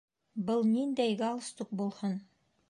Был ниндәй галстук булһын?!